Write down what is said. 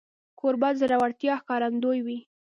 کوربه د زړورتیا ښکارندوی وي.